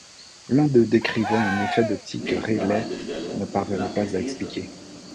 L'un d'eux décrivait un effet d'optique que Rayleigh ne parvenait pas à expliquer.